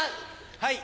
はい。